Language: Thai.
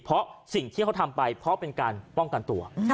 เพราะสิ่งที่เขาทำไปเพราะเป็นการป้องกันตัว